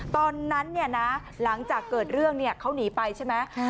ตอนนั้นเนี่ยนะหลังจากเกิดเรื่องเขาหนีไปใช่ไหม